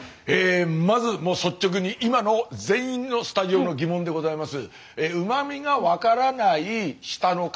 まずもう率直に今の全員のスタジオの疑問でございます。